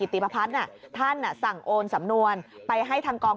เหมือนอย่างที่ผ่านมาคือเราจะเห็นแหละว่ารองโจ๊กคือออกแอ็กชั่นมากมากอืม